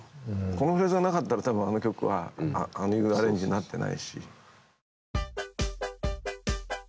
このフレーズがなかったら多分あの曲はああいうアレンジになってないし。